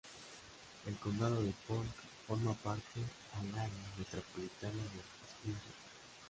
El condado de Polk forma parte al Área metropolitana de Springfield.